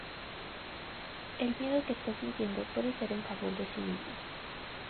El miedo que está sintiendo puede ser en favor de sí mismo.